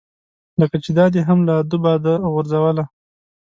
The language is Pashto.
لکه چې دا دې هم له ادو باده غورځوله.